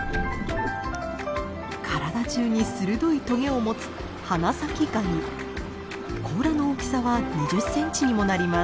体じゅうに鋭いトゲを持つ甲羅の大きさは２０センチにもなります。